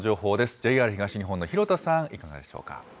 ＪＲ東日本の弘田さん、いかがでしょうか。